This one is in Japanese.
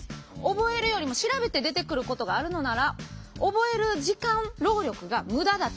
覚えるよりも調べて出てくることがあるのなら覚える時間労力が無駄だと。